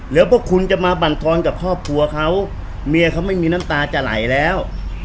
แล้วพวกคุณจะมาบรรทอนกับครอบครัวเขาเมียเขาไม่มีน้ำตาจะไหลแล้ว